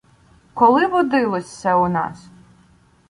Коли водилось се у нас?